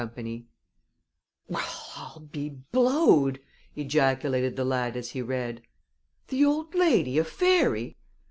"Well, I'll be blowed!" ejaculated the lad as he read. "The old lady a fairy?